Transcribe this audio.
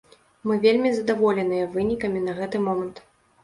Мы вельмі задаволеныя вынікамі на гэты момант.